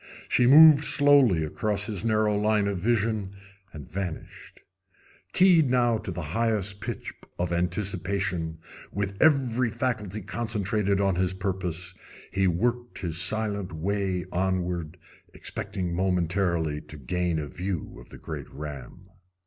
She moved slowly across his narrow line of vision and vanished. Keyed now to the highest pitch of anticipation, with every faculty concentrated on his purpose, he worked his silent way onward, expecting momently to gain a view of the great ram.